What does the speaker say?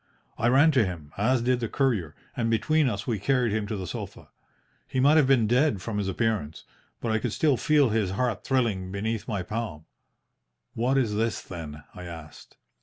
I ran to him, as did the courier, and between us we carried him to the sofa. He might have been dead from his appearance, but I could still feel his heart thrilling beneath my palm. 'What is this, then?' I asked.